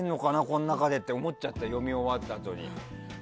この中でって思っちゃった読み終わったあとに。